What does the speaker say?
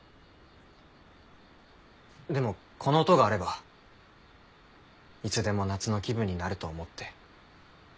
でもこの音があればいつでも夏の気分になると思って。